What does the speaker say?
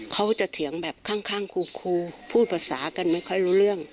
เขาจะเถียงแบบข้างครูพูดภาษากันไม่ค่อยรู้เรื่อง